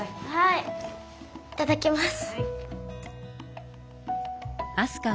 いただきます。